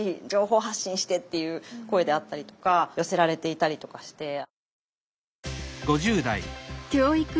情報発信して」っていう声であったりとか寄せられていたりとかして。